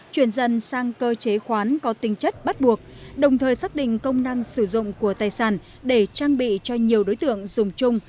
chuyển dần sang cơ chế khoán có tinh chất bắt buộc đồng thời xác định công năng sử dụng của tài sản để trang bị cho nhiều đối tượng dùng chung